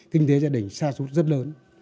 kinh tế gia đình xa xút rất lớn